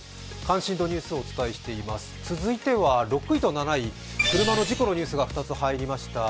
続いては６位と７位、車の事故のニュースが２つ入りました。